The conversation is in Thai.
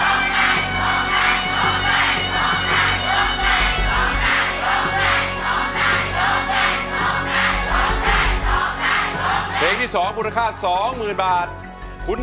แล้วก็เห็นสายตามุ่งมั่นของคนที่เป็นลูกที่แม่นั่งอยู่ตรงนี้ด้วย